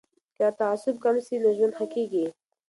که تعصب کم سي نو ژوند ښه کیږي.